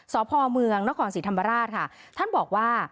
สพเมืองนครศรีธรรมราชค่ะท่านบอกว่า